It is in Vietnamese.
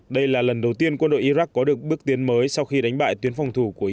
đây là lần đầu tiên quân đội iraq có được bước tiến mới sau khi đánh bại tuyến phòng thủ của i